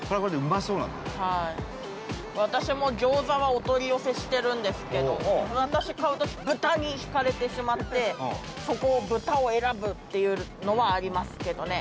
私も餃子はお取り寄せしてるんですけど私買う時「豚」に惹かれてしまってそこを豚を選ぶっていうのはありますけどね。